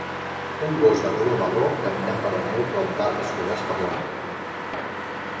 Un gos de color marró caminant per la neu prop d"arbres coberts per la neu.